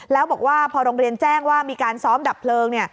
แล้วบอกว่าพอโรงเรียนแจ้งว่ามีการซ้อมดับเพลิง